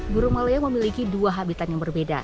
burung maleo memiliki dua habitat yang berbeda